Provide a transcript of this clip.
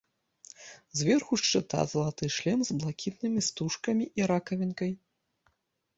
Зверху шчыта залаты шлем з блакітнымі стужкамі і ракавінкай.